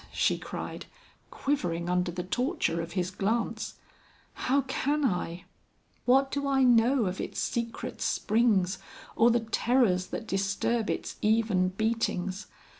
she cried, quivering under the torture of his glance; "how can I? What do I know of its secret springs or the terrors that disturb its even beatings?